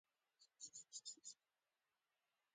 فریدګل او نور ازاد شوي بندیان په قطار ولاړ وو